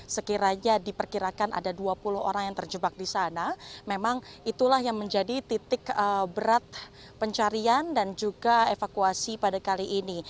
sekiranya diperkirakan ada dua puluh orang yang terjebak di sana memang itulah yang menjadi titik berat pencarian dan juga evakuasi pada kali ini